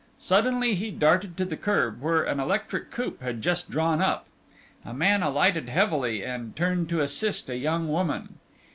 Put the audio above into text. Suddenly he darted to the curb, where an electric coupe had just drawn up. A man alighted heavily, and turned to assist a young woman.